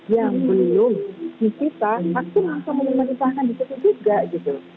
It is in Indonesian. yang belum disita pasti langsung dimenitahkan disitu juga gitu